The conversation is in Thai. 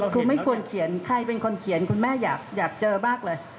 คือไม่ควรเขียนใครเป็นคนเขียนคุณแม่อยากเจอมากเลย